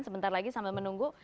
sebentar lagi sambil menunggu